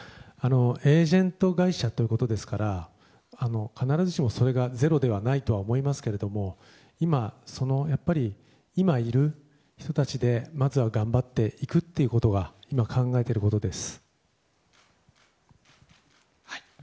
エージェント会社ということですから必ずしもそれがゼロではないとは思いますが今いる人たちでまずは頑張っていくということは今、考えていることです。